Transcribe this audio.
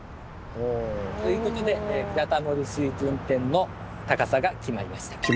おお。ということでブラタモリ水準点の高さが決まりました。